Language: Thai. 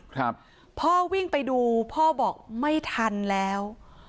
ครับพ่อวิ่งไปดูพ่อบอกไม่ทันแล้ว